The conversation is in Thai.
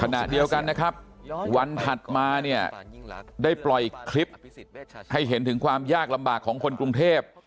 ขณะเดียวกันนะครับวันถัดมาเนี่ยได้ปล่อยคลิปให้เห็นถึงความยากลำบากของคนกรุงเทพ